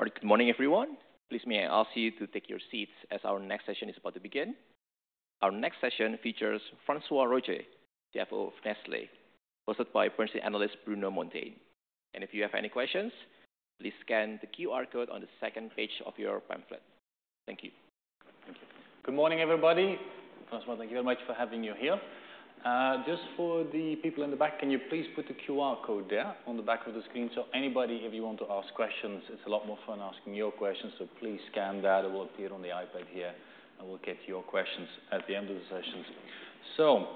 All right. Good morning, everyone. Please, may I ask you to take your seats as our next session is about to begin? Our next session features François-Xavier Roger, CFO of Nestlé, hosted by Bernstein Analyst, Bruno Monteyne. And if you have any questions, please scan the QR code on the second page of your pamphlet. Thank you. Thank you. Good morning, everybody. François, thank you very much for having you here. Just for the people in the back, can you please put the QR code there on the back of the screen? So anybody, if you want to ask questions, it's a lot more fun asking your questions, so please scan that. It will appear on the iPad here, and we'll get your questions at the end of the sessions. So,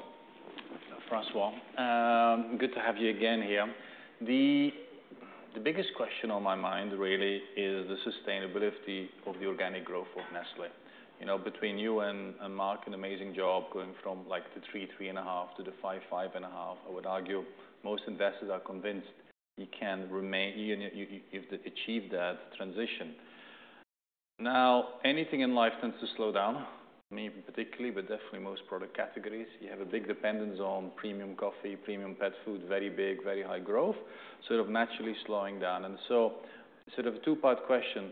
François, good to have you again here. The biggest question on my mind really is the sustainability of the organic growth of Nestlé. You know, between you and Mark, an amazing job going from like the 3-3.5 to the 5-5.5. I would argue, most investors are convinced you can remain, you've achieved that transition. Now, anything in life tends to slow down, me particularly, but definitely most product categories. You have a big dependence on premium coffee, premium pet food, very big, very high growth, sort of naturally slowing down. And so, sort of two-part question: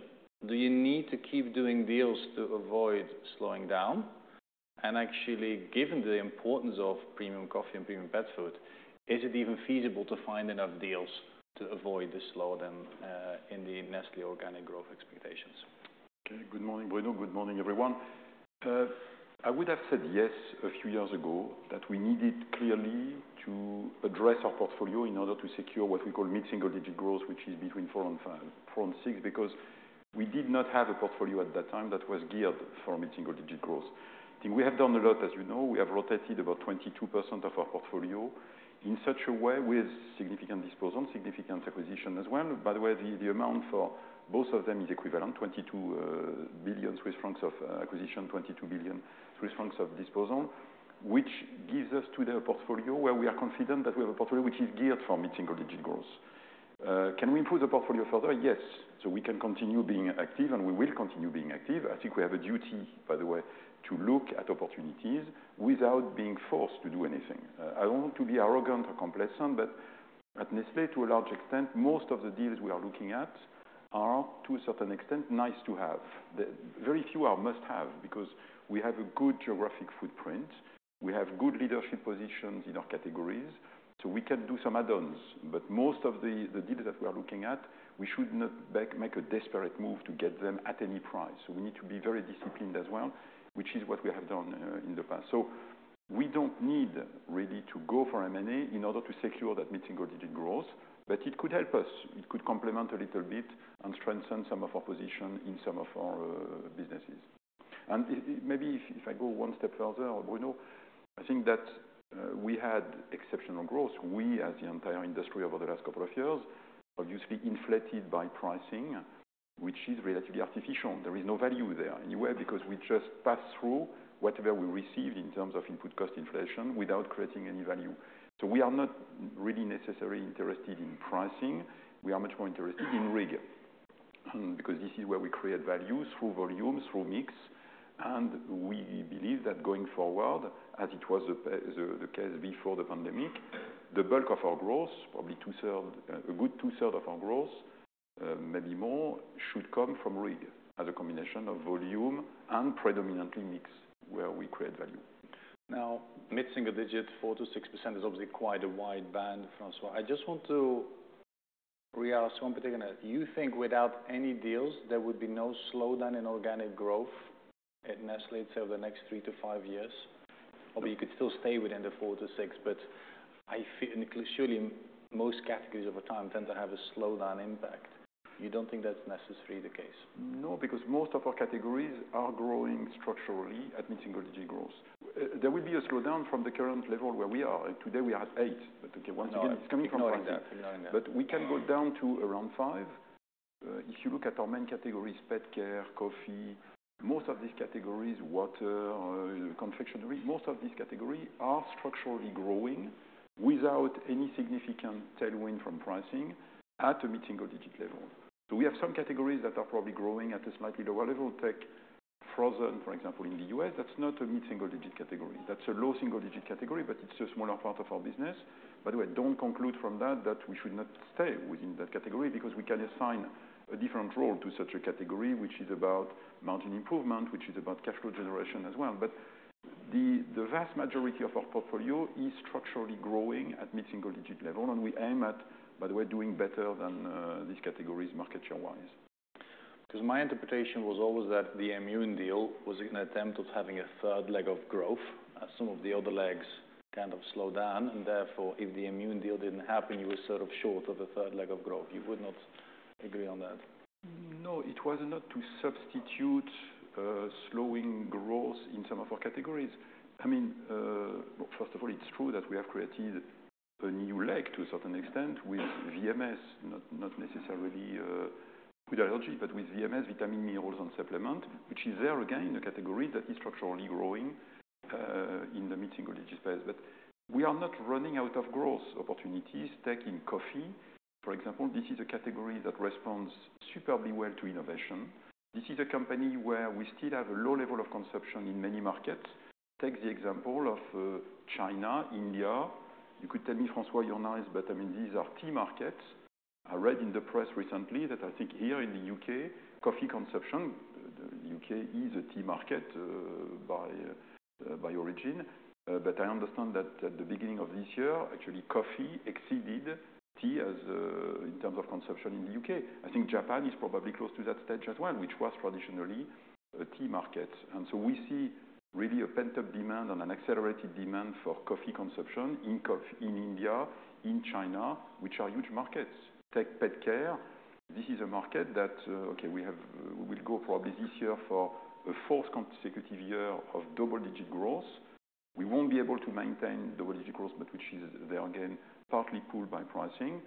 Do you need to keep doing deals to avoid slowing down? And actually, given the importance of premium coffee and premium pet food, is it even feasible to find enough deals to avoid the slowdown in the Nestlé organic growth expectations? Okay. Good morning, Bruno. Good morning, everyone. I would have said yes, a few years ago, that we needed clearly to address our portfolio in order to secure what we call mid-single digit growth, which is between four and five, four and six, because we did not have a portfolio at that time that was geared for mid-single digit growth. I think we have done a lot, as you know, we have rotated about 22% of our portfolio in such a way with significant disposal, significant acquisition as well. By the way, the amount for both of them is equivalent, 22 billion Swiss francs of acquisition, 22 billion Swiss francs of disposal, which gives us today a portfolio where we are confident that we have a portfolio which is geared for mid-single digit growth. Can we improve the portfolio further? Yes. So we can continue being active, and we will continue being active. I think we have a duty, by the way, to look at opportunities without being forced to do anything. I don't want to be arrogant or complacent, but at Nestlé, to a large extent, most of the deals we are looking at are, to a certain extent, nice to have. The, very few are must have, because we have a good geographic footprint, we have good leadership positions in our categories, so we can do some add-ons, but most of the, the deals that we are looking at, we should not make a desperate move to get them at any price. So we need to be very disciplined as well, which is what we have done in the past. So we don't need really to go for M&A in order to secure that mid-single digit growth, but it could help us. It could complement a little bit and strengthen some of our position in some of our businesses. And it, maybe if I go one step further, Bruno, I think that we had exceptional growth. We, as the entire industry over the last couple of years, obviously inflated by pricing, which is relatively artificial. There is no value there anywhere, because we just pass through whatever we receive in terms of input cost inflation without creating any value. So we are not really necessarily interested in pricing. We are much more interested in RIG, because this is where we create value through volume, through mix, and we believe that going forward, as it was the case before the pandemic, the bulk of our growth, probably 2/3, a good two-thirds of our growth, maybe more, should come from RIG as a combination of volume and predominantly mix, where we create value. Now, mid-single digits, 4%-6% is obviously quite a wide band, François. I just want to reask one particular. Do you think without any deals, there would be no slowdown in organic growth at Nestlé till the next three-five years? Or you could still stay within the 4%-6%, but I feel, surely, most categories over time tend to have a slowdown impact. You don't think that's necessarily the case? No, because most of our categories are growing structurally at mid-single digit growth. There will be a slowdown from the current level where we are. Today, we are at eight. But okay, once again, it's coming from- Ignoring that. But we can go down to around five. If you look at our main categories, pet care, coffee, most of these categories, water, or confectionery, most of these categories are structurally growing without any significant tailwind from pricing at a mid-single digit level. So we have some categories that are probably growing at a slightly lower level. Take frozen, for example, in the U.S., that's not a mid-single digit category. That's a low single digit category, but it's a smaller part of our business. By the way, don't conclude from that, that we should not stay within that category, because we can assign a different role to such a category, which is about margin improvement, which is about cash flow generation as well. But the vast majority of our portfolio is structurally growing at mid-single digit level, and we aim at, by the way, doing better than these categories, market share-wise. Because my interpretation was always that the Aimmune deal was an attempt of having a third leg of growth, as some of the other legs kind of slow down, and therefore, if the Aimmune deal didn't happen, you were sort of short of a third leg of growth. You would not agree on that? No, it was not to substitute, slowing growth in some of our categories. I mean, first of all, it's true that we have created a new leg to a certain extent with VMS, not, not necessarily, with allergy, but with VMS, vitamin minerals and supplement, which is there again, in a category that is structurally growing, in the mid-single digit space. But we are not running out of growth opportunities, take coffee, for example, this is a category that responds superbly well to innovation. This is a company where we still have a low level of consumption in many markets.... Take the example of, China, India. You could tell me, François, you're nice, but I mean, these are tea markets. I read in the press recently that I think here in the U.K., coffee consumption, the U.K. is a tea market by origin. But I understand that at the beginning of this year, actually, coffee exceeded tea as in terms of consumption in the U.K.. I think Japan is probably close to that stage as well, which was traditionally a tea market. And so we see really a pent-up demand and an accelerated demand for coffee consumption in coffee in India, in China, which are huge markets. Take pet care, this is a market that okay, we have, we will go probably this year for a fourth consecutive year of double-digit growth. We won't be able to maintain double-digit growth, but which is there again, partly pulled by pricing.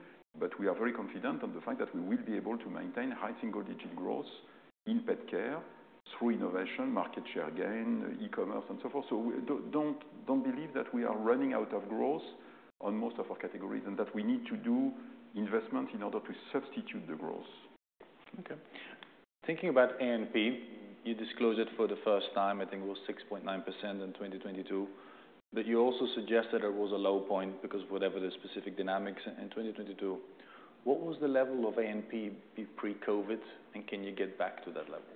We are very confident on the fact that we will be able to maintain high single-digit growth in pet care through innovation, market share gain, e-commerce, and so forth. We don't believe that we are running out of growth on most of our categories, and that we need to do investment in order to substitute the growth. Okay. Thinking about A&P, you disclosed it for the first time, I think it was 6.9% in 2022. But you also suggested it was a low point because whatever the specific dynamics in 2022, what was the level of A&P pre-COVID, and can you get back to that level?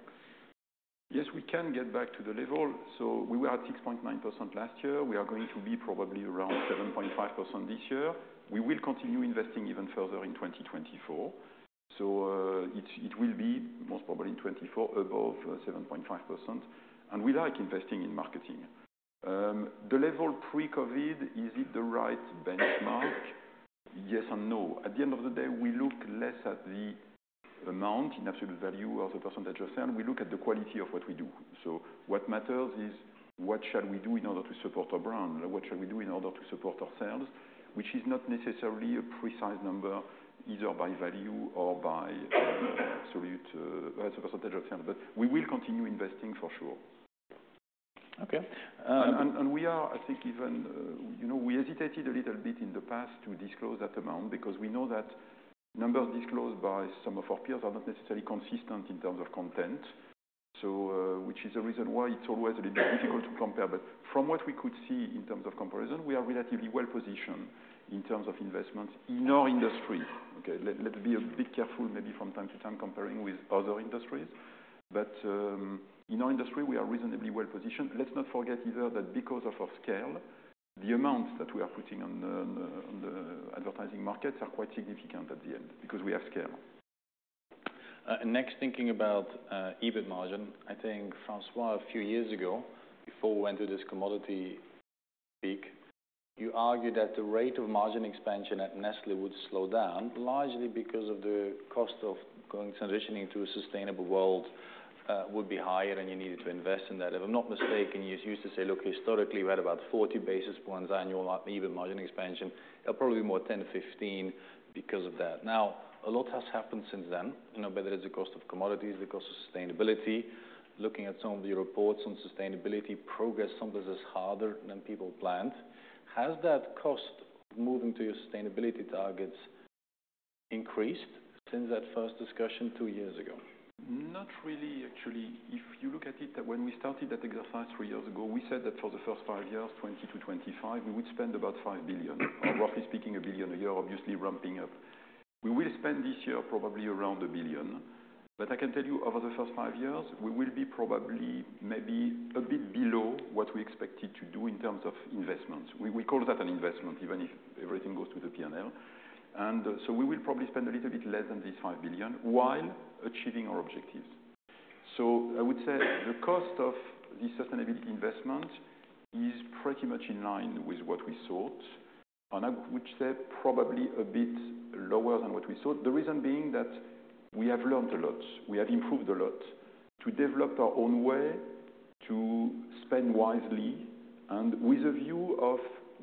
Yes, we can get back to the level. So we were at 6.9% last year. We are going to be probably around 7.5% this year. We will continue investing even further in 2024. So, it will be most probably in 2024, above 7.5%, and we like investing in marketing. The level pre-COVID, is it the right benchmark? Yes and no. At the end of the day, we look less at the amount in absolute value or the percentage of sale. We look at the quality of what we do. So what matters is, what shall we do in order to support our brand? What shall we do in order to support our sales? Which is not necessarily a precise number, either by value or by absolute, as a percentage of sale, but we will continue investing for sure. Okay, um- We are, I think even, you know, we hesitated a little bit in the past to disclose that amount because we know that numbers disclosed by some of our peers are not necessarily consistent in terms of content. So, which is a reason why it's always a little difficult to compare. But from what we could see in terms of comparison, we are relatively well-positioned in terms of investment in our industry. Okay, let's be a bit careful, maybe from time to time, comparing with other industries. But, in our industry, we are reasonably well positioned. Let's not forget either that because of our scale, the amounts that we are putting on the advertising markets are quite significant at the end, because we have scale. Next, thinking about EBIT margin. I think François, a few years ago, before we went to this commodity peak, you argued that the rate of margin expansion at Nestlé would slow down, largely because of the cost of transitioning to a sustainable world would be higher and you needed to invest in that. If I'm not mistaken, you used to say, "Look, historically, we had about 40 basis points annual EBIT margin expansion, probably 10-15 more because of that." Now, a lot has happened since then, you know, whether it's the cost of commodities, the cost of sustainability, looking at some of the reports on sustainability progress, sometimes it's harder than people planned. Has that cost of moving to your sustainability targets increased since that first discussion two years ago? Not really actually. If you look at it, when we started that exercise three years ago, we said that for the first five years, 20-25, we would spend about 5 billion. Roughly speaking, 1 billion a year, obviously ramping up. We will spend this year, probably around 1 billion, but I can tell you over the first five years, we will be probably, maybe a bit below what we expected to do in terms of investments. We, we call that an investment, even if everything goes to the P&L. And so we will probably spend a little bit less than this 5 billion while achieving our objectives. So I would say the cost of the sustainability investment is pretty much in line with what we thought, and I would say probably a bit lower than what we thought. The reason being that we have learned a lot, we have improved a lot to develop our own way, to spend wisely and with a view of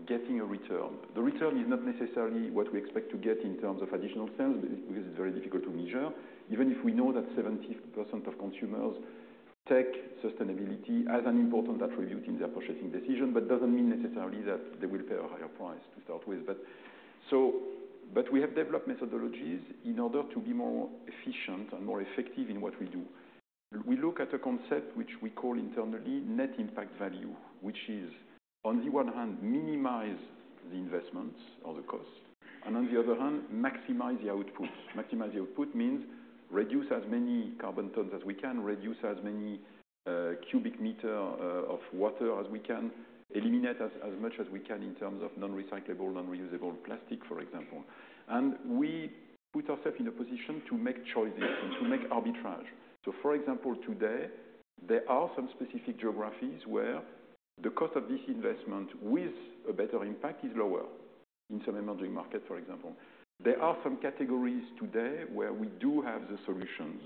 getting a return. The return is not necessarily what we expect to get in terms of additional sales, because it's very difficult to measure, even if we know that 70% of consumers take sustainability as an important attribute in their purchasing decision, but doesn't mean necessarily that they will pay a higher price to start with. But we have developed methodologies in order to be more efficient and more effective in what we do. We look at a concept which we call internally, net impact value, which is on the one hand, minimize the investments or the cost, and on the other hand, maximize the output. Maximize the output means reduce as many carbon tons as we can, reduce as many cubic meter of water as we can, eliminate as much as we can in terms of non-recyclable, non-reusable plastic, for example. And we put ourselves in a position to make choices and to make arbitrage. So for example, today, there are some specific geographies where the cost of this investment with a better impact is lower in some emerging markets, for example. There are some categories today where we do have the solutions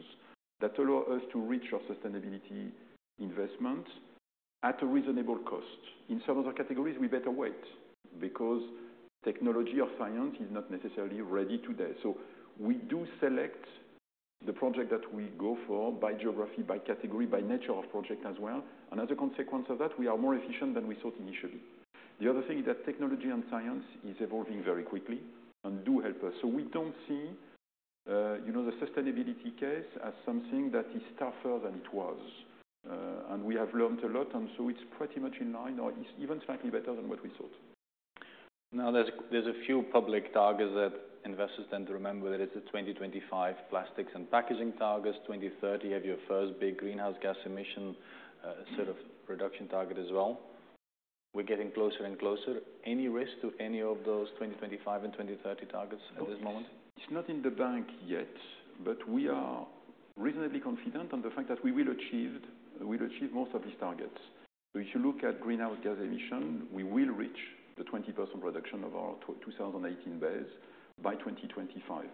that allow us to reach our sustainability investments at a reasonable cost. In some other categories, we better wait, because technology or science is not necessarily ready today. So we do select the project that we go for by geography, by category, by nature of project as well. And as a consequence of that, we are more efficient than we thought initially. The other thing is that technology and science is evolving very quickly and do help us. So we don't see, you know, the sustainability case as something that is tougher than it was. And we have learned a lot, and so it's pretty much in line or it's even frankly, better than what we thought. Now, there's a few public targets that investors tend to remember, that it's a 2025 plastics and packaging targets, 2030, have your first big greenhouse gas emission, sort of reduction target as well. We're getting closer and closer. Any risk to any of those 2025 and 2030 targets at this moment? It's not in the bank yet, but we are reasonably confident on the fact that we'll achieve most of these targets. So if you look at greenhouse gas emission, we will reach the 20% reduction of our 2018 base by 2025.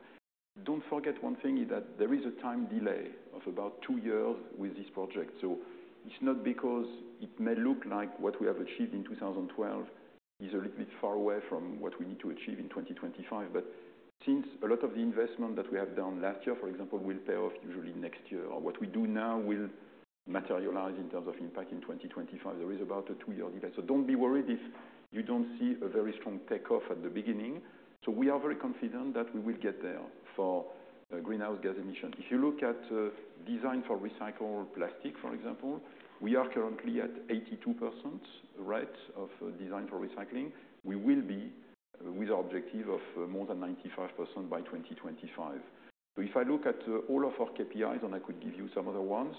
Don't forget, one thing is that there is a time delay of about two years with this project. So it's not because it may look like what we have achieved in 2012 is a little bit far away from what we need to achieve in 2025. But since a lot of the investment that we have done last year, for example, will pay off usually next year, or what we do now will materialize in terms of impact in 2025, there is about a two-year delay. So don't be worried if you don't see a very strong takeoff at the beginning. So we are very confident that we will get there for greenhouse gas emission. If you look at design for recycled plastic, for example, we are currently at 82% rate of design for recycling. We will be with the objective of more than 95% by 2025. So if I look at all of our KPIs, and I could give you some other ones,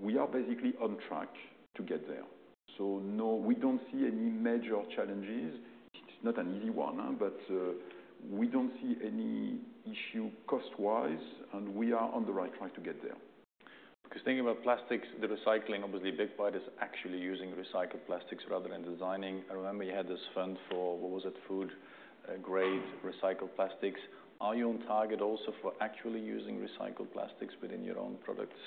we are basically on track to get there. So no, we don't see any major challenges. It's not an easy one, huh, but we don't see any issue cost-wise, and we are on the right track to get there. Because thinking about plastics, the recycling, obviously, a big part is actually using recycled plastics rather than designing. I remember you had this fund for, what was it? Food-grade recycled plastics. Are you on target also for actually using recycled plastics within your own products?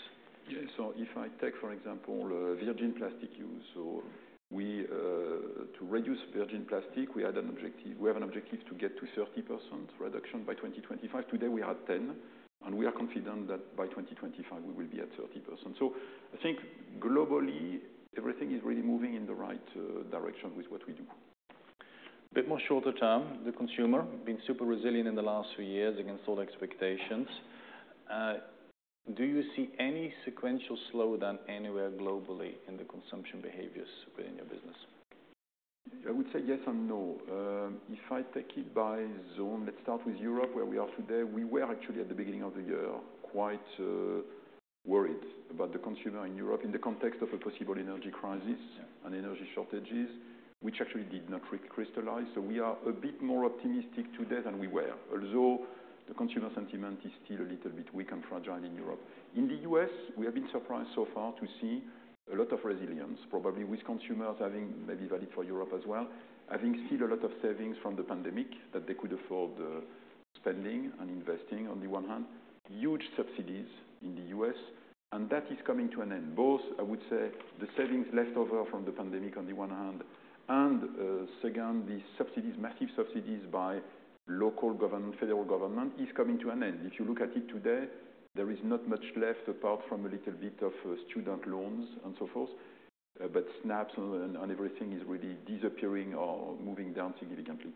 Yeah. So if I take, for example, virgin plastic use, so we to reduce virgin plastic, we had an objective—we have an objective to get to 30% reduction by 2025. Today we are at 10%, and we are confident that by 2025 we will be at 30%. So I think globally, everything is really moving in the right direction with what we do. A bit more shorter-term, the consumer been super resilient in the last few years against all expectations. Do you see any sequential slowdown anywhere globally in the consumption behaviors within your business? I would say yes and no. If I take it by zone, let's start with Europe, where we are today. We were actually, at the beginning of the year, quite, worried about the consumer in Europe in the context of a possible energy crisis- Yeah and energy shortages, which actually did not crystallize. So we are a bit more optimistic today than we were. Although, the consumer sentiment is still a little bit weak and fragile in Europe. In the U.S., we have been surprised so far to see a lot of resilience, probably with consumers having, maybe valid for Europe as well, having seen a lot of savings from the pandemic, that they could afford, spending and investing, on the one hand. Huge subsidies in the U.S., and that is coming to an end. Both, I would say, the savings left over from the pandemic on the one hand, and, second, the subsidies, massive subsidies by local government, federal government, is coming to an end. If you look at it today, there is not much left apart from a little bit of student loans and so forth, but SNAPs and everything is really disappearing or moving down significantly.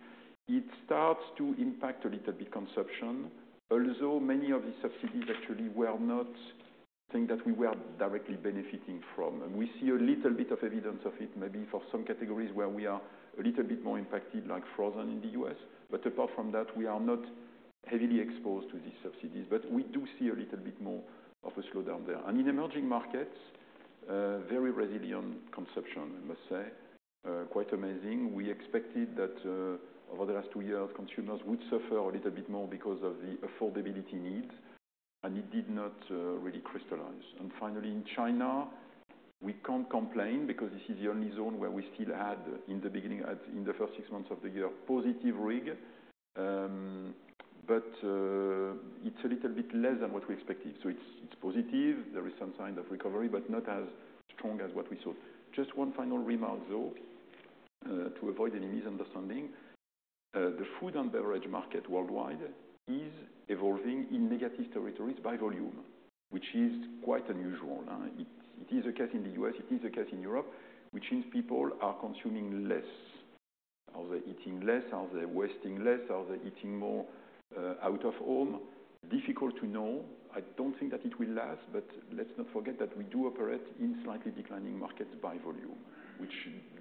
It starts to impact a little bit consumption, although many of these subsidies actually were not something that we were directly benefiting from, and we see a little bit of evidence of it, maybe for some categories where we are a little bit more impacted, like frozen in the U.S. But apart from that, we are not heavily exposed to these subsidies, but we do see a little bit more of a slowdown there. In emerging markets, very resilient consumption, I must say, quite amazing. We expected that, over the last two years, consumers would suffer a little bit more because of the affordability needs, and it did not really crystallize. And finally, in China, we can't complain because this is the only zone where we still had, in the beginning, in the first six months of the year, positive RIG. But it's a little bit less than what we expected. So it's positive. There is some sign of recovery, but not as strong as what we thought. Just one final remark, though, to avoid any misunderstanding. The food and beverage market worldwide is evolving in negative territories by volume, which is quite unusual. It is the case in the U.S., it is the case in Europe, which means people are consuming less. Are they eating less? Are they wasting less? Are they eating more out of home? Difficult to know. I don't think that it will last, but let's not forget that we do operate in slightly declining markets by volume, which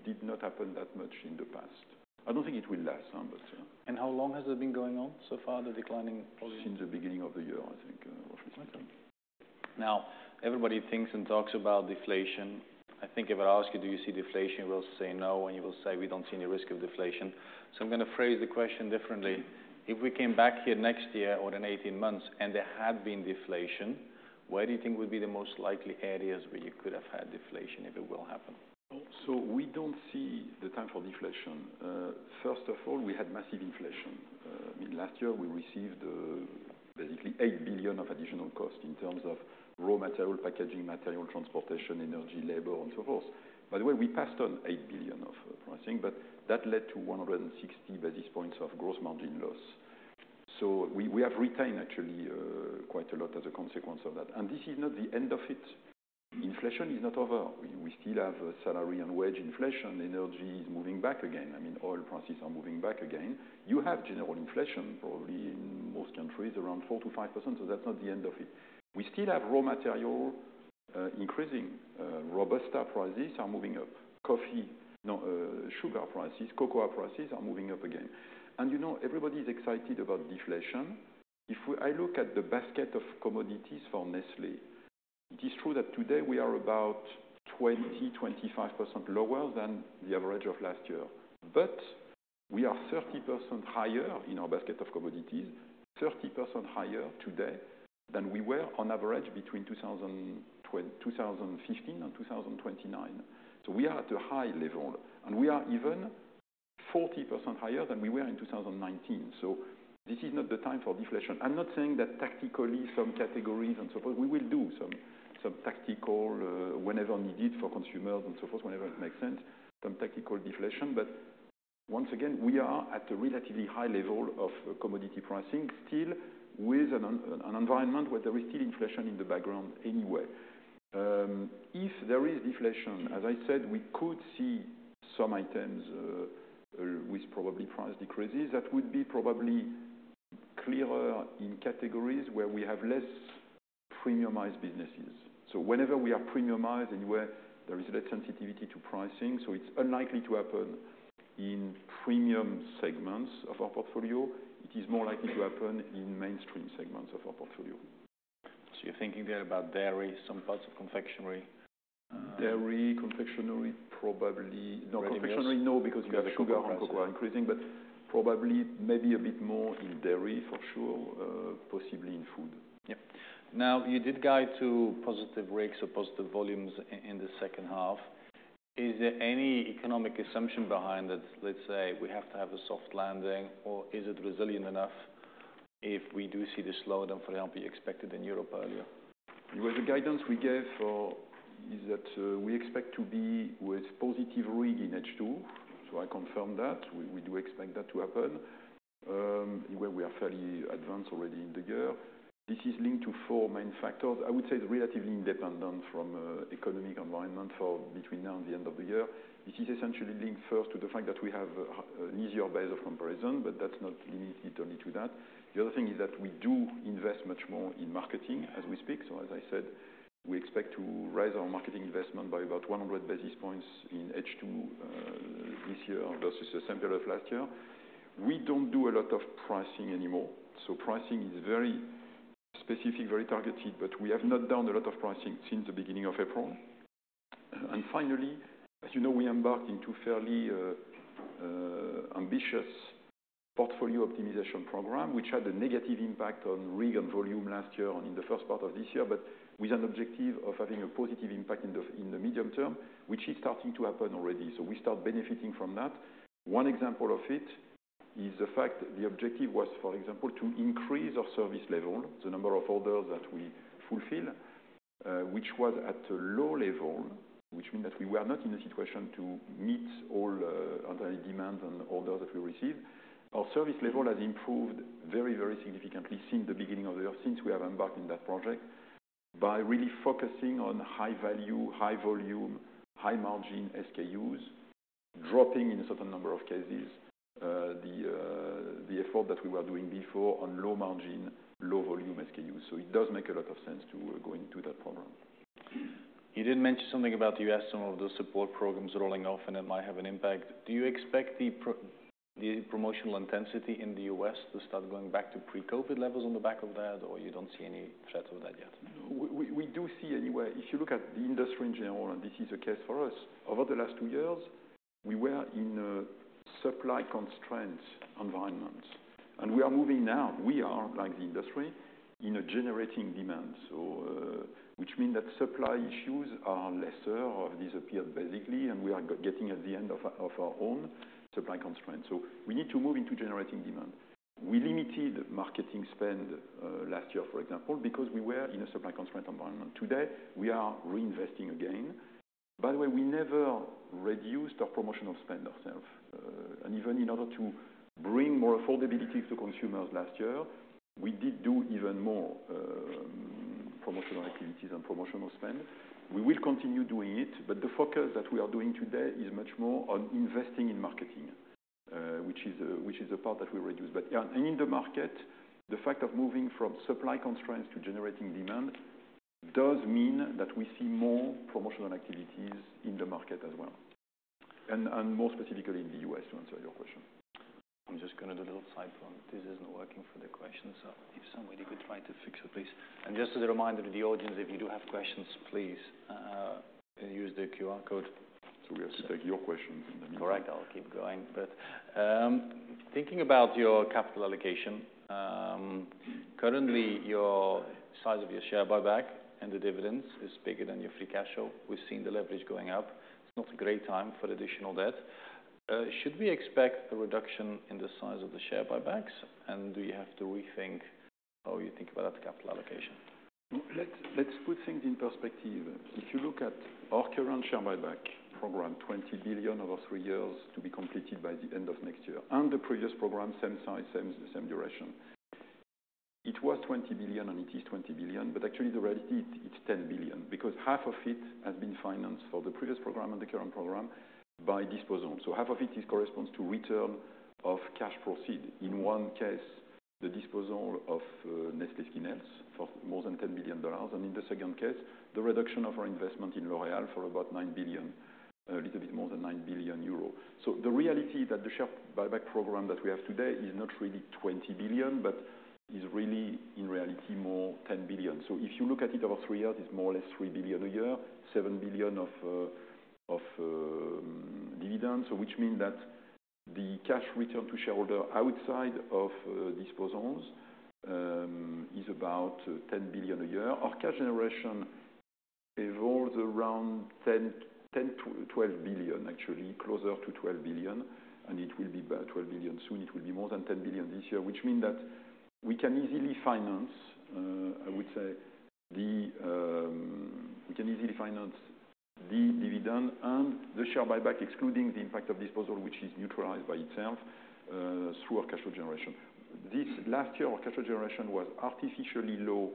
did not happen that much in the past. I don't think it will last, but still. How long has it been going on so far, the declining volume? Since the beginning of the year, I think, off my tongue. Now, everybody thinks and talks about deflation. I think if I ask you, do you see deflation? You will say no, and you will say, "We don't see any risk of deflation." So I'm gonna phrase the question differently: If we came back here next year or in 18 months and there had been deflation, where do you think would be the most likely areas where you could have had deflation, if it will happen? So we don't see the time for deflation. First of all, we had massive inflation. Last year, we received, basically, 8 billion of additional cost in terms of raw material, packaging material, transportation, energy, labor, and so forth. By the way, we passed on 8 billion of pricing, but that led to 160 basis points of gross margin loss. So we, we have retained actually, quite a lot as a consequence of that, and this is not the end of it. Inflation is not over. We, we still have a salary and wage inflation. Energy is moving back again. I mean, oil prices are moving back again. You have general inflation probably in most countries, around 4%-5%, so that's not the end of it. We still have raw material, increasing. Robusta prices are moving up. Coffee, no, sugar prices, cocoa prices are moving up again. And you know, everybody's excited about deflation. I look at the basket of commodities for Nestlé. It is true that today we are about 20%-25% lower than the average of last year, but we are 30% higher in our basket of commodities, 30% higher today than we were on average between 2015 and 2019. So we are at a high level, and we are even 40% higher than we were in 2019. So this is not the time for deflation. I'm not saying that tactically, some categories and so forth, we will do some tactical whenever needed for consumers and so forth, whenever it makes sense, some tactical deflation. But once again, we are at a relatively high level of commodity pricing, still with an environment where there is still inflation in the background anyway. If there is deflation, as I said, we could see some items with probably price decreases. That would be probably clearer in categories where we have less premiumized businesses. So whenever we are premiumized, anywhere, there is a sensitivity to pricing, so it's unlikely to happen in premium segments of our portfolio. It is more likely to happen in mainstream segments of our portfolio. You're thinking there about dairy, some parts of confectionery? Dairy, confectionery, probably- Ready meals? No, confectionery, no, because you have sugar and cocoa increasing, but probably maybe a bit more in dairy, for sure, possibly in food. Yep. Now, you did guide to positive rates or positive volumes in the second half. Is there any economic assumption behind it? Let's say we have to have a soft landing, or is it resilient enough if we do see the slowdown for maybe expected in Europe earlier? Well, the guidance we gave for... is that we expect to be with positive RIG in H2. So I confirm that. We, we do expect that to happen. Where we are fairly advanced already in the year, this is linked to four main factors. I would say it's relatively independent from the economic environment between now and the end of the year. This is essentially linked first, to the fact that we have an easier base of comparison, but that's not limited only to that. The other thing is that we do invest much more in marketing as we speak. So as I said, we expect to raise our marketing investment by about 100 basis points in H2 this year versus the same period of last year. We don't do a lot of pricing anymore, so pricing is very specific, very targeted, but we have not done a lot of pricing since the beginning of April. And finally, as you know, we embarked into fairly ambitious portfolio optimization program, which had a negative impact on RIG and volume last year and in the first part of this year, but with an objective of having a positive impact in the medium term, which is starting to happen already. So we start benefiting from that. One example of it is the fact the objective was, for example, to increase our service level, the number of orders that we fulfill, which was at a low level, which means that we were not in a situation to meet all underlying demands on the orders that we received. Our service level has improved very, very significantly since the beginning of the year, since we have embarked on that project, by really focusing on high value, high volume, high margin SKUs, dropping in a certain number of cases, the effort that we were doing before on low margin, low volume SKUs. So it does make a lot of sense to go into that program. You did mention something about the U.S., some of the support programs rolling off, and it might have an impact. Do you expect the promotional intensity in the U.S. to start going back to pre-COVID levels on the back of that, or you don't see any threat of that yet? We do see anyway, if you look at the industry in general, and this is the case for us, over the last two years, we were in a supply constraint environment, and we are moving now. We are, like the industry, in a generating demand. So, which means that supply issues are lesser or disappeared, basically, and we are getting at the end of our own supply constraint. So we need to move into generating demand. We limited marketing spend last year, for example, because we were in a supply constraint environment. Today, we are reinvesting again. By the way, we never reduced our promotional spend ourselves, and even in order to bring more affordability to consumers last year, we did do even more promotional activities and promotional spend. We will continue doing it, but the focus that we are doing today is much more on investing in marketing, which is the part that we reduced. But yeah, and in the market, the fact of moving from supply constraints to generating demand does mean that we see more promotional activities in the market as well, and more specifically in the U.S., to answer your question. I'm just going to do a little side point. This isn't working for the question, so if somebody could try to fix it, please. Just as a reminder to the audience, if you do have questions, please, use the QR code. We have to take your question and then- All right, I'll keep going. But thinking about your capital allocation, currently, your size of your share buyback and the dividends is bigger than your free cash flow. We've seen the leverage going up. It's not a great time for additional debt. Should we expect a reduction in the size of the share buybacks, and do you have to rethink how you think about that capital allocation? Let's, let's put things in perspective. If you look at our current share buyback program, 20 billion over three years to be completed by the end of next year, and the previous program, same size, same, the same duration. It was 20 billion, and it is 20 billion, but actually the reality, it's 10 billion, because half of it has been financed for the previous program and the current program by disposal. So half of it corresponds to return of cash proceeds. In one case, the disposal of Nestlé Skin Health for more than $10 billion, and in the second case, the reduction of our investment in L'Oréal for about 9 billion, a little bit more than 9 billion euro. So the reality that the share buyback program that we have today is not really 20 billion, but is really, in reality, more 10 billion. If you look at it over three years, it's more or less 3 billion a year, 7 billion of dividends, so which mean that the cash return to shareholder outside of disposals is about 10 billion a year. Our cash generation revolves around 10-12 billion, actually, closer to 12 billion, and it will be about 12 billion soon. It will be more than 10 billion this year, which mean that we can easily finance the dividend and the share buyback, excluding the impact of disposal, which is neutralized by itself through our cash flow generation. This last year, our cash flow generation was artificially low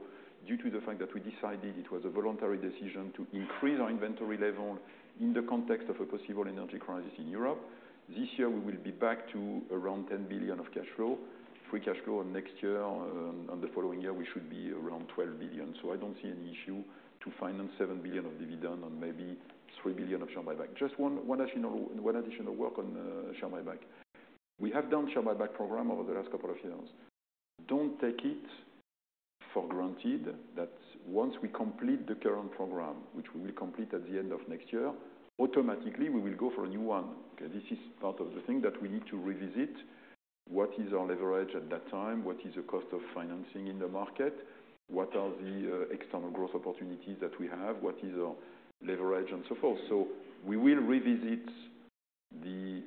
due to the fact that we decided it was a voluntary decision to increase our inventory level in the context of a possible energy crisis in Europe. This year, we will be back to around 10 billion of cash flow, free cash flow, and next year and the following year, we should be around 12 billion. So I don't see any issue to finance 7 billion of dividend and maybe 3 billion of share buyback. Just one additional word on share buyback. We have done share buyback program over the last couple of years. Don't take it for granted that once we complete the current program, which we will complete at the end of next year, automatically we will go for a new one. Okay, this is part of the thing that we need to revisit. What is our leverage at that time? What is the cost of financing in the market? What are the external growth opportunities that we have? What is our leverage and so forth? So we will revisit the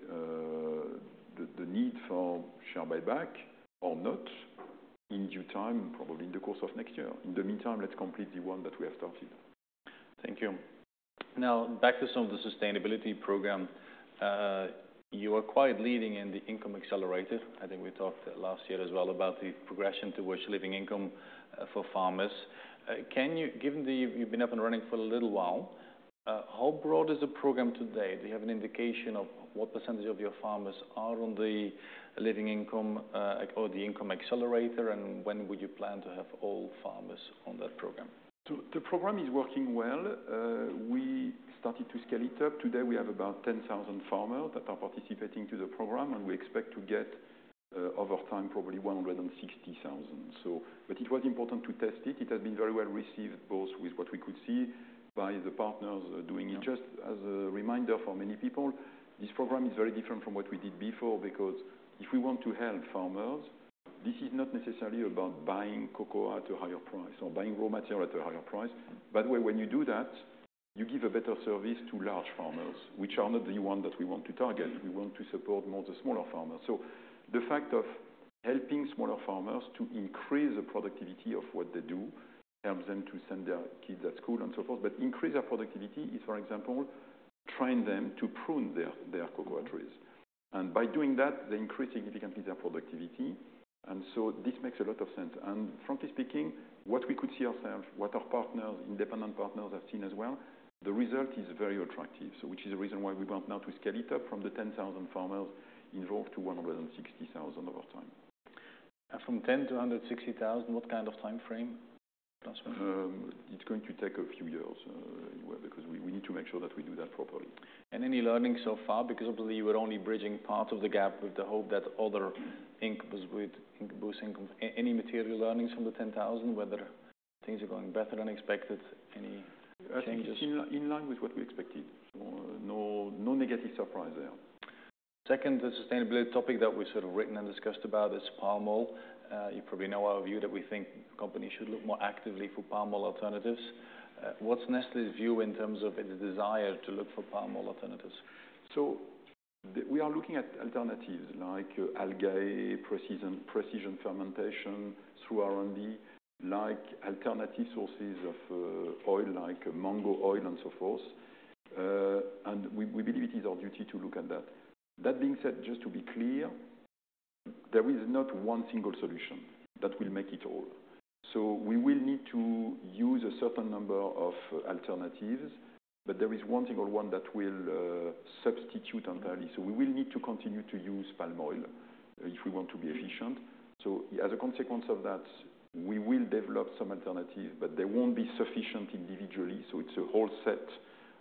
need for share buyback or not in due time, probably in the course of next year. In the meantime, let's complete the one that we have started. Thank you. Now, back to some of the sustainability program. You are quite leading in the Income Accelerator. I think we talked last year as well about the progression towards living income, for farmers. Can you, given that you've been up and running for a little while, how broad is the program today? Do you have an indication of what percentage of your farmers are on the living income, or the Income Accelerator, and when would you plan to have all farmers on that program? So the program is working well. We started to scale it up. Today, we have about 10,000 farmers that are participating to the program, and we expect to get, over time, probably 160,000. So, but it was important to test it. It has been very well received, both with what we could see by the partners doing it. Just as a reminder for many people, this program is very different from what we did before, because if we want to help farmers, this is not necessarily about buying cocoa at a higher price or buying raw material at a higher price. By the way, when you do that, you give a better service to large farmers, which are not the one that we want to target. We want to support more the smaller farmers. So the fact of helping smaller farmers to increase the productivity of what they do, helps them to send their kids at school and so forth. But increase their productivity is, for example, train them to prune their cocoa trees. And by doing that, they increase significantly their productivity, and so this makes a lot of sense. And frankly speaking, what we could see ourselves, what our partners, independent partners, have seen as well, the result is very attractive. So which is the reason why we want now to scale it up from the 10,000 farmers involved to 160,000 over time. From 10 to 160,000, what kind of time frame, approximately? It's going to take a few years, because we, we need to make sure that we do that properly. Any learning so far? Because obviously, you are only bridging part of the gap with the hope that other income boosting... Any material learnings from the 10,000, whether things are going better than expected, any changes? I think it's in line with what we expected. No, no negative surprise there. Second, the sustainability topic that we've sort of written and discussed about is palm oil. You probably know our view, that we think companies should look more actively for palm oil alternatives. What's Nestlé's view in terms of its desire to look for palm oil alternatives? So we are looking at alternatives like algae, precision fermentation through R&D, like alternative sources of oil, like mango oil and so forth. And we believe it is our duty to look at that. That being said, just to be clear, there is not one single solution that will make it all. So we will need to use a certain number of alternatives, but there is one thing or one that will substitute entirely. So we will need to continue to use palm oil if we want to be efficient. So as a consequence of that, we will develop some alternatives, but they won't be sufficient individually, so it's a whole set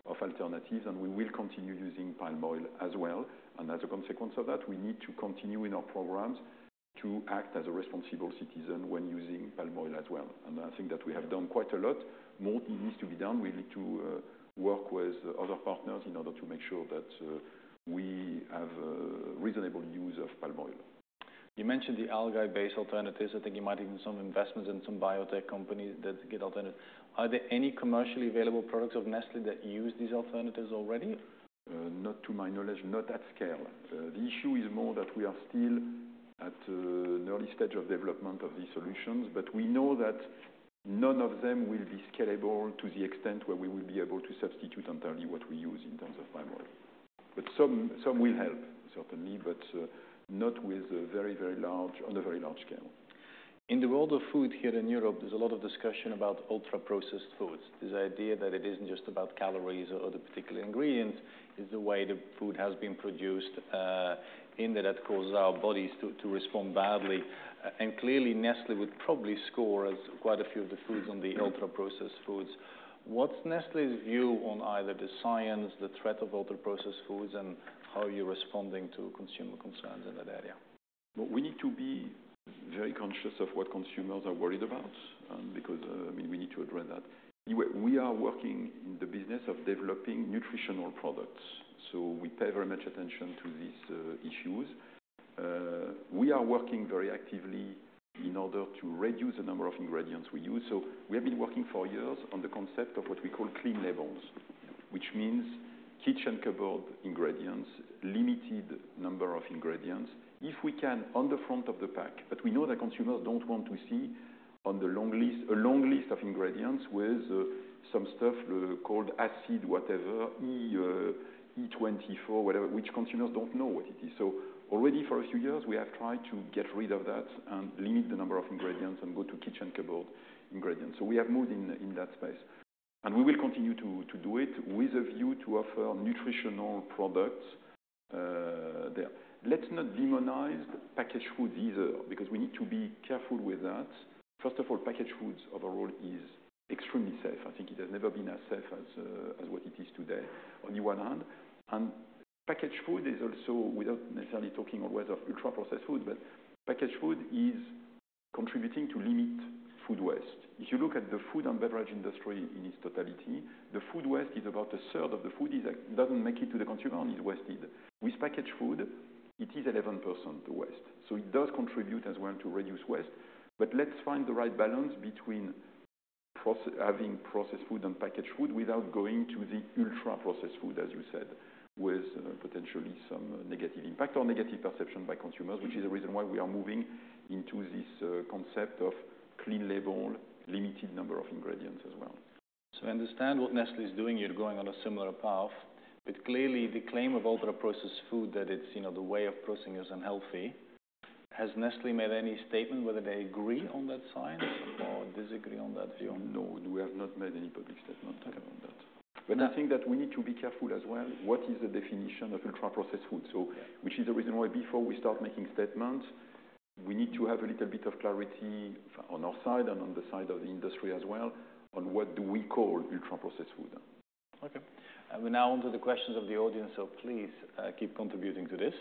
of alternatives, and we will continue using palm oil as well. As a consequence of that, we need to continue in our programs to act as a responsible citizen when using palm oil as well. I think that we have done quite a lot. More needs to be done. We need to work with other partners in order to make sure that we have a reasonable use of palm oil. You mentioned the algae-based alternatives. I think you might have even some investments in some biotech companies that get alternate. Are there any commercially available products of Nestlé that use these alternatives already? Not to my knowledge, not at scale. The issue is more that we are still at an early stage of development of these solutions, but we know that none of them will be scalable to the extent where we will be able to substitute entirely what we use in terms of palm oil. But some, some will help, certainly, but not with a very, very large, on a very large scale. In the world of food here in Europe, there's a lot of discussion about ultra-processed foods. This idea that it isn't just about calories or the particular ingredient, it's the way the food has been produced, in that that causes our bodies to respond badly. Clearly, Nestlé would probably score as quite a few of the foods on the ultra-processed foods. What's Nestlé's view on either the science, the threat of ultra-processed foods, and how are you responding to consumer concerns in that area? Well, we need to be very conscious of what consumers are worried about, because we need to address that. We are working in the business of developing nutritional products, so we pay very much attention to these issues. We are working very actively in order to reduce the number of ingredients we use. So we have been working for years on the concept of what we call clean labels, which means kitchen cupboard ingredients, limited number of ingredients. If we can, on the front of the pack, but we know that consumers don't want to see on the long list, a long list of ingredients with some stuff called acid, whatever, E, E-24, whatever, which consumers don't know what it is. So already for a few years, we have tried to get rid of that and limit the number of ingredients and go to kitchen cupboard ingredients. So we have moved in that space, and we will continue to do it with a view to offer nutritional products there. Let's not demonize packaged food either, because we need to be careful with that. First of all, packaged foods overall is extremely safe. I think it has never been as safe as what it is today, on the one hand. And packaged food is also, without necessarily talking always of ultra-processed food, but packaged food is contributing to limit food waste. If you look at the food and beverage industry in its totality, the food waste is about a third of the food doesn't make it to the consumer and is wasted. With packaged food, it is 11%, the waste, so it does contribute as well to reduce waste. But let's find the right balance between having processed food and packaged food without going to the ultra-processed food, as you said, with potentially some negative impact or negative perception by consumers, which is the reason why we are moving into this concept of clean label, limited number of ingredients as well. So I understand what Nestlé is doing here, going on a similar path, but clearly, the claim of ultra-processed food, that it's, you know, the way of processing is unhealthy. Has Nestlé made any statement whether they agree on that science or disagree on that view? No, we have not made any public statement talking about that. But I think that we need to be careful as well. What is the definition of ultra-processed food? So, which is the reason why before we start making statements, we need to have a little bit of clarity on our side and on the side of the industry as well, on what do we call ultra-processed food. Okay. And we're now on to the questions of the audience, so please, keep contributing to this.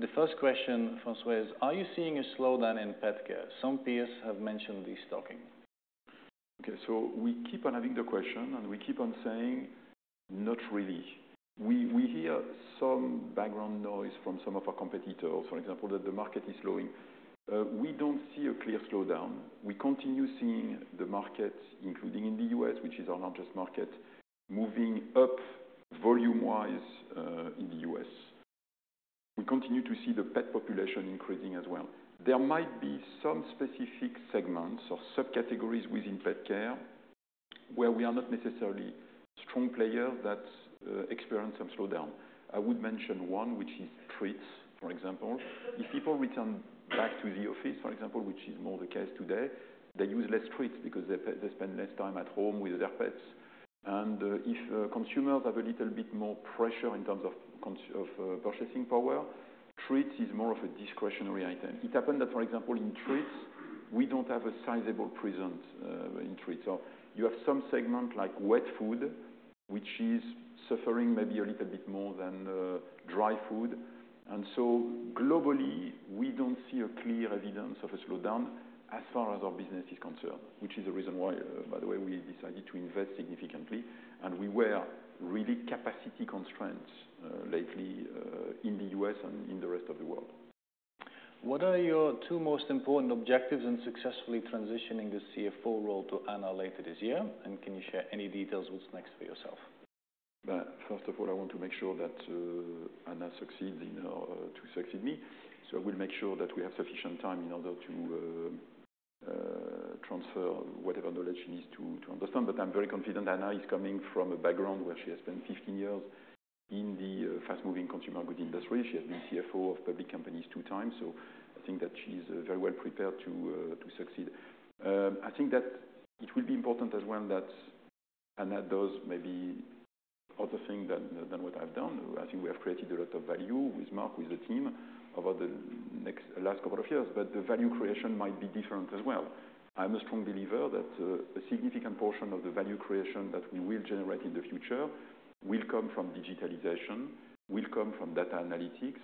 The first question, François, is, are you seeing a slowdown in pet care? Some peers have mentioned this talking. Okay, so we keep on having the question, and we keep on saying, "Not really." We hear some background noise from some of our competitors, for example, that the market is slowing. We don't see a clear slowdown. We continue seeing the market, including in the U.S., which is our largest market, moving up volume-wise, in the U.S. We continue to see the pet population increasing as well. There might be some specific segments or subcategories within pet care, where we are not necessarily strong player, that experience some slowdown. I would mention one, which is treats, for example. If people return back to the office, for example, which is more the case today, they use less treats because they spend less time at home with their pets. If consumers have a little bit more pressure in terms of purchasing power, treats is more of a discretionary item. It happened that, for example, in treats, we don't have a sizable presence in treats. So you have some segment, like wet food, which is suffering maybe a little bit more than dry food. And so globally, we don't see a clear evidence of a slowdown as far as our business is concerned, which is the reason why, by the way, we decided to invest significantly, and we were really capacity constraints lately in the U.S. and in the rest of the world. What are your two most important objectives in successfully transitioning the CFO role to Anna later this year? And can you share any details what's next for yourself? First of all, I want to make sure that Anna succeeds in to succeed me. So we'll make sure that we have sufficient time in order to transfer whatever knowledge she needs to understand. But I'm very confident Anna is coming from a background where she has spent 15 years in the fast-moving consumer goods industry. She has been CFO of public companies two times, so I think that she's very well prepared to succeed. I think that it will be important as well that, and that does maybe other thing than what I've done. I think we have created a lot of value with Mark, with the team, over the last couple of years, but the value creation might be different as well. I'm a strong believer that, a significant portion of the value creation that we will generate in the future will come from digitalization, will come from data analytics.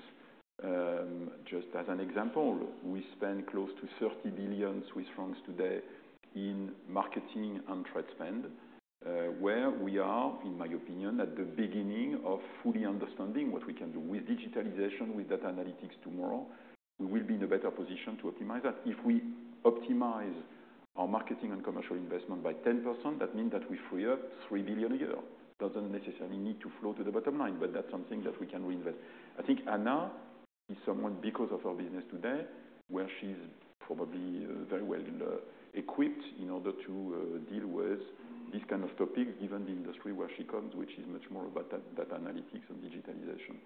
Just as an example, we spend close to 30 billion Swiss francs today in marketing and trade spend, where we are, in my opinion, at the beginning of fully understanding what we can do. With digitalization, with data analytics tomorrow, we will be in a better position to optimize that. If we optimize our marketing and commercial investment by 10%, that means that we free up 3 billion a year. Doesn't necessarily need to flow to the bottom line, but that's something that we can reinvest. I think Anna-... She's someone because of her business today, where she's probably very well equipped in order to deal with this kind of topic, given the industry where she comes, which is much more about that, data analytics and digitalization.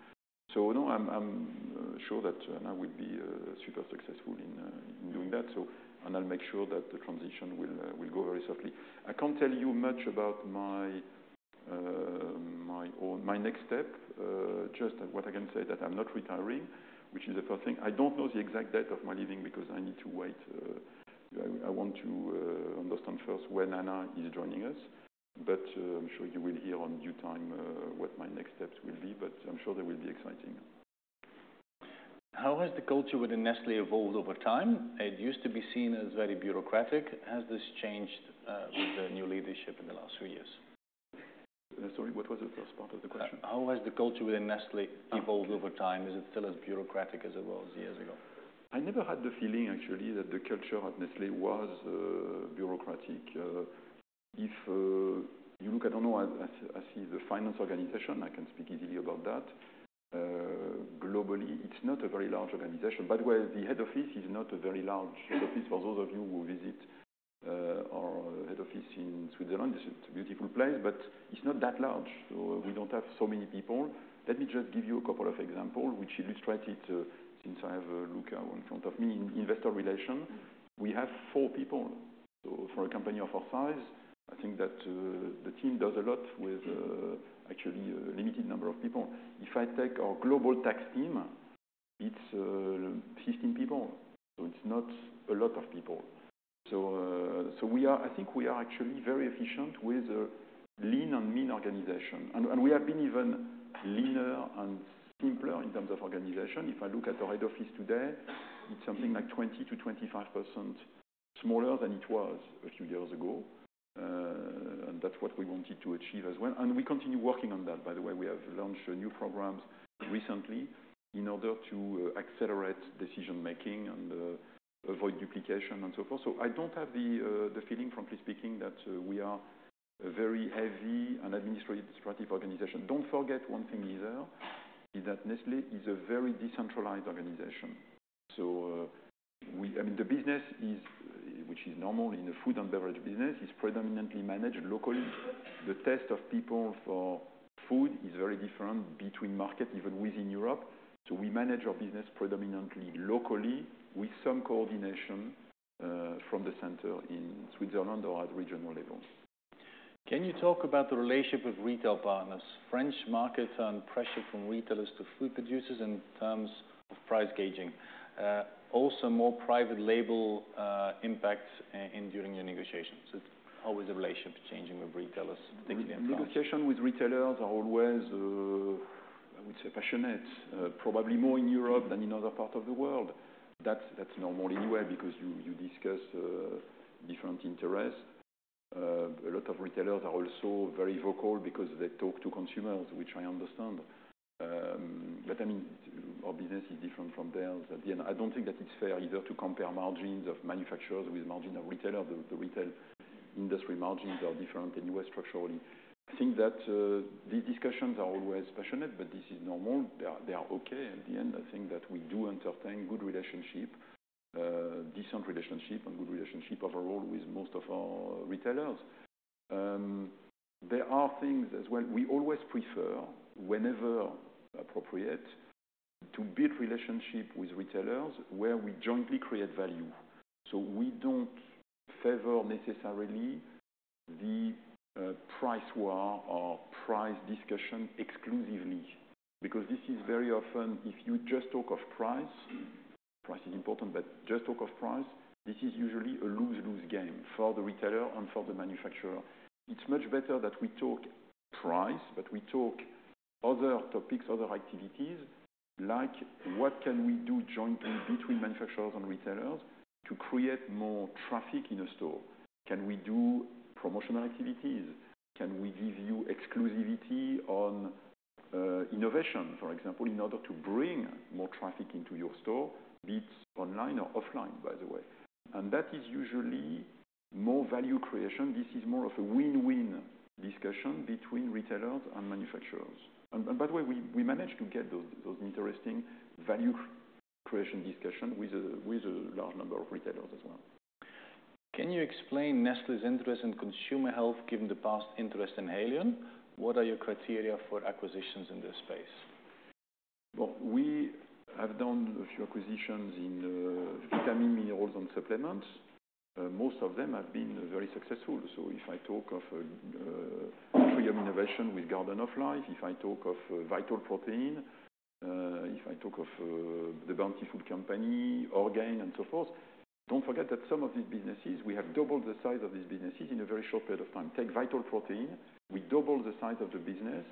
So no, I'm sure that Anna will be super successful in doing that, so and I'll make sure that the transition will go very smoothly. I can't tell you much about my own next step. Just what I can say that I'm not retiring, which is the first thing. I don't know the exact date of my leaving because I need to wait. I want to understand first when Anna is joining us, but I'm sure you will hear in due time what my next steps will be, but I'm sure they will be exciting. How has the culture within Nestlé evolved over time? It used to be seen as very bureaucratic. Has this changed, with the new leadership in the last few years? Sorry, what was the first part of the question? How has the culture within Nestlé evolved over time? Is it still as bureaucratic as it was years ago? I never had the feeling, actually, that the culture at Nestlé was bureaucratic. If you look at, I don't know, I see the finance organization, I can speak easily about that. Globally, it's not a very large organization, but where the head office is not a very large office. For those of you who visit our head office in Switzerland, it's a beautiful place, but it's not that large, so we don't have so many people. Let me just give you a couple of example which illustrate it, since I have Luca in front of me. In investor relations, we have four people. So for a company of our size, I think that the team does a lot with actually a limited number of people. If I take our global tax team, it's 16 people, so it's not a lot of people. So, so we are. I think we are actually very efficient with a lean and mean organization, and we have been even leaner and simpler in terms of organization. If I look at the head office today, it's something like 20%-25% smaller than it was a few years ago. And that's what we wanted to achieve as well, and we continue working on that. By the way, we have launched new programs recently in order to accelerate decision-making and avoid duplication and so forth. So I don't have the feeling, frankly speaking, that we are a very heavy and administrative organization. Don't forget one thing either, is that Nestlé is a very decentralized organization. So, we... I mean, the business is, which is normal in the food and beverage business, is predominantly managed locally. The taste of people for food is very different between markets, even within Europe. So we manage our business predominantly locally, with some coordination from the center in Switzerland or at regional level. Can you talk about the relationship with retail partners? French markets are under pressure from retailers to food producers in terms of price gouging. Also more private label impact in during the negotiations. So how is the relationship changing with retailers taking the impact? Negotiations with retailers are always, I would say passionate, probably more in Europe than in other parts of the world. That's, that's normal anyway, because you, you discuss, different interests. A lot of retailers are also very vocal because they talk to consumers, which I understand. But I mean, our business is different from theirs. At the end, I don't think that it's fair either to compare margins of manufacturers with margin of retailers. The, the retail industry margins are different anyway, structurally. I think that, these discussions are always passionate, but this is normal. They are, they are okay. In the end, I think that we do entertain good relationship, decent relationship and good relationship overall with most of our retailers. There are things as well, we always prefer, whenever appropriate, to build relationship with retailers where we jointly create value. We don't favor necessarily the price war or price discussion exclusively, because this is very often, if you just talk of price, price is important, but just talk of price, this is usually a lose-lose game for the retailer and for the manufacturer. It's much better that we talk price, but we talk other topics, other activities, like what can we do jointly between manufacturers and retailers to create more traffic in a store? Can we do promotional activities? Can we give you exclusivity on innovation, for example, in order to bring more traffic into your store, be it online or offline, by the way? That is usually more value creation. This is more of a win-win discussion between retailers and manufacturers. By the way, we managed to get those interesting value creation discussion with a large number of retailers as well. Can you explain Nestlé's interest in consumer health, given the past interest in Haleon? What are your criteria for acquisitions in this space? Well, we have done a few acquisitions in vitamin, minerals and supplements. Most of them have been very successful. So if I talk of Atrium Innovations with Garden of Life, if I talk of Vital Proteins, if I talk of The Bountiful Company, Orgain and so forth, don't forget that some of these businesses, we have doubled the size of these businesses in a very short period of time. Take Vital Proteins, we doubled the size of the business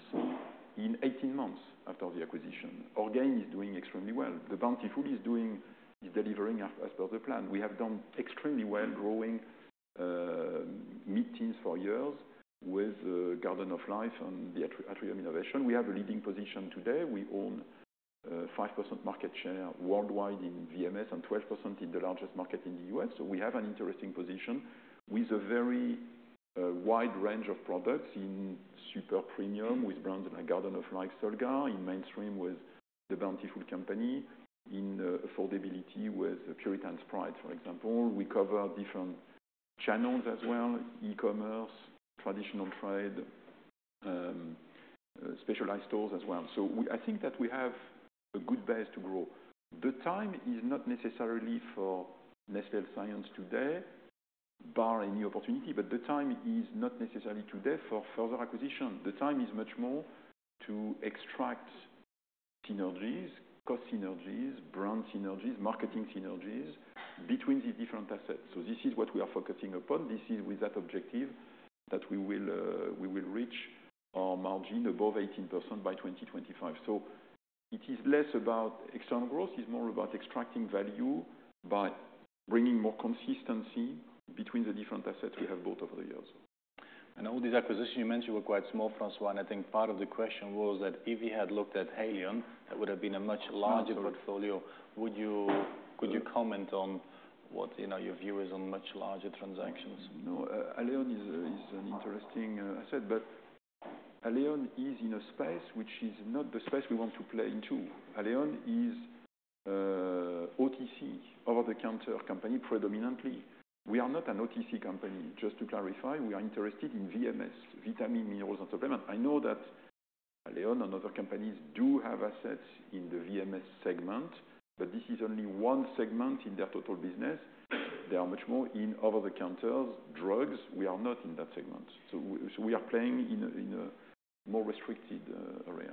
in 18 months after the acquisition. Orgain is doing extremely well. The Bountiful Company is doing, is delivering as per the plan. We have done extremely well, growing mid-teens for years with Garden of Life and the Atrium Innovations. We have a leading position today. We own 5% market share worldwide in VMS, and 12% in the largest market in the U.S. So we have an interesting position with a wide range of products in super premium with brands like Garden of Life, Solgar, in mainstream with The Bountiful Company, in affordability with Puritan's Pride, for example. We cover different channels as well, e-commerce, traditional trade, specialized stores as well. So I think that we have a good base to grow. The time is not necessarily for Nestlé Health Science today, barring any opportunity, but the time is not necessarily today for further acquisition. The time is much more to extract synergies, cost synergies, brand synergies, marketing synergies between the different assets. So this is what we are focusing upon. This is with that objective that we will, we will reach our margin above 18% by 2025. So it is less about external growth, it's more about extracting value by bringing more consistency between the different assets we have bought over the years. All these acquisitions you mentioned were quite small, François, and I think part of the question was that if you had looked at Haleon, that would have been a much larger portfolio. Would you, could you comment on what, you know, your view is on much larger transactions? No, Haleon is an interesting asset, but Haleon is in a space which is not the space we want to play into. Haleon is OTC, over-the-counter company, predominantly. We are not an OTC company. Just to clarify, we are interested in VMS, vitamin minerals and supplements. I know that Haleon and other companies do have assets in the VMS segment, but this is only one segment in their total business. They are much more in over-the-counter drugs. We are not in that segment. So we are playing in a more restricted area.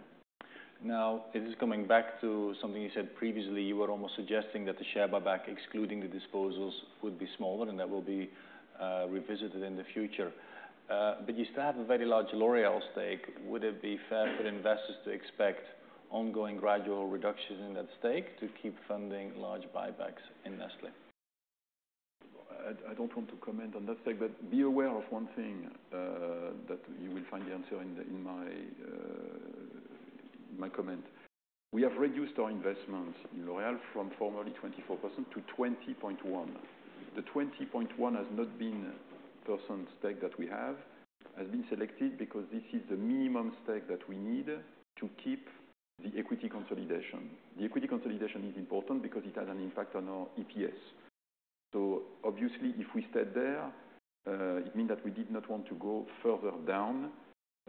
Now, it is coming back to something you said previously. You were almost suggesting that the share buyback, excluding the disposals, would be smaller, and that will be revisited in the future. But you still have a very large L'Oréal stake. Would it be fair for investors to expect ongoing gradual reductions in that stake to keep funding large buybacks in Nestlé? I don't want to comment on that stake, but be aware of one thing that you will find the answer in my comment. We have reduced our investments in L'Oréal from formerly 24%-20.1%. The 20.1% stake that we have has been selected because this is the minimum stake that we need to keep the equity consolidation. The equity consolidation is important because it has an impact on our EPS. So obviously, if we stayed there, it means that we did not want to go further down,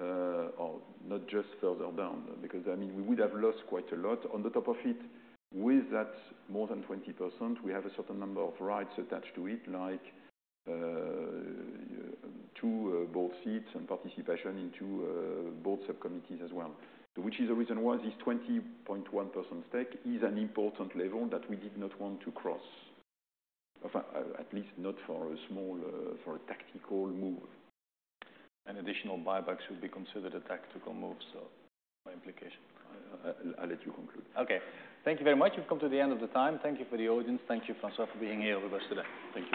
or not just further down, because, I mean, we would have lost quite a lot. On the top of it, with that more than 20%, we have a certain number of rights attached to it, like two board seats and participation in two board subcommittees as well, which is the reason why this 20.1% stake is an important level that we did not want to cross, of at least not for a small, for a tactical move. An additional buyback should be considered a tactical move, so my implication. I'll let you conclude. Okay, thank you very much. We've come to the end of the time. Thank you for the audience. Thank you, François, for being here with us today. Thank you.